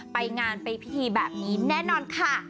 ไปงานไปพิธีแบบนี้แน่นอนค่ะ